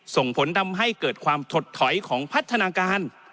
ส่งผลทำให้เกิดความถดถอยของพัฒนาการ